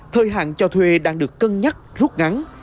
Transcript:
thời hạn cho thuê đang được cân nhắc rút ngắn